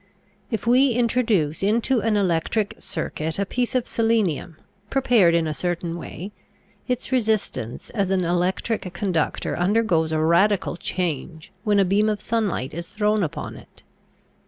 If we introduce into an electric circuit a piece of selenium, prepared in a certain way, its resistance as an electric conductor undergoes a radical change when a beam of sunlight is thrown upon it.